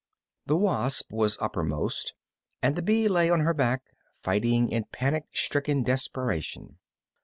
The wasp was uppermost, and the bee lay on her back, fighting in panic stricken desperation.